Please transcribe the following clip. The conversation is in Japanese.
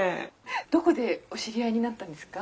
どこでお知り合いになったんですか？